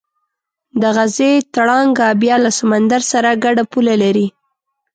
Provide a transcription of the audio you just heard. د غزې تړانګه بیا له سمندر سره ګډه پوله لري.